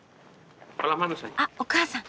あっお母さん。